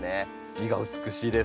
実が美しいです。